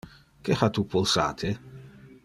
Que ha tu pulsate?